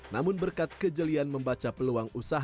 namun berkat kejelian membaca peluang usaha